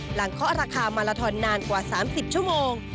เคาะราคามาลาทอนนานกว่า๓๐ชั่วโมง